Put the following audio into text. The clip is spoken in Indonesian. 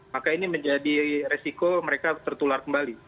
maka ini menjadi resiko mereka tertular kembali